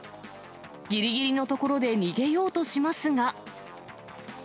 ぎりぎりのところで逃げようとしますが。